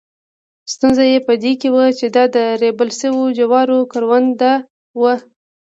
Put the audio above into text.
ستونزه یې په دې کې وه چې دا د ریبل شوو جوارو کرونده وه.